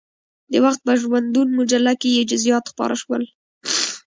د وخت په ژوندون مجله کې یې جزئیات خپاره شول.